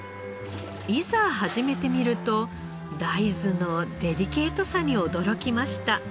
いざ始めてみると大豆のデリケートさに驚きました。